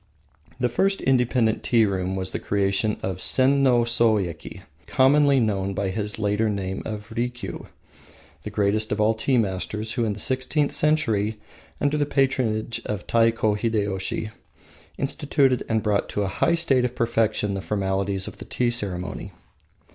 The first independent tea room was the creation of Senno Soyeki, commonly known by his later name of Rikiu, the greatest of all tea masters, who, in the sixteenth century, under the patronage of Taiko Hideyoshi, instituted and brought to a high state of perfection the formalities of the Tea ceremony.